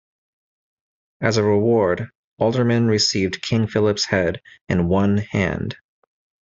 As a reward, Alderman received King Philip's head and one hand.